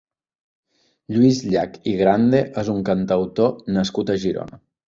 Lluís Llach i Grande és un cantautor nascut a Girona.